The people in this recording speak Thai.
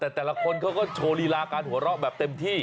แต่แต่ละคนเขาก็โชว์ลีลาการหัวเราะแบบเต็มที่